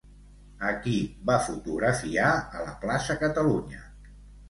A qui va fotografiar a la plaça Catalunya?